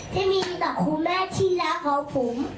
ที่มีต่อคุณแม่ที่รักของผม